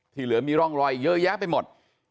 เหลือมีร่องรอยเยอะแยะไปหมด